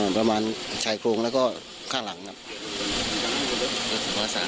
ประมาณชายโครงแล้วก็ข้างหลังครับ